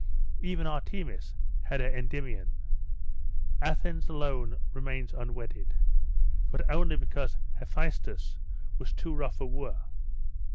Even Artemis has her Endymion; Athens alone remains unwedded; but only because Hephaestus was too rough a wooer.